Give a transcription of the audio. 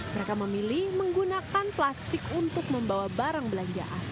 mereka memilih menggunakan plastik untuk membawa barang belanjaan